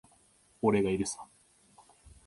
俺がいるさ。